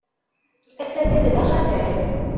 Asatal d axatar.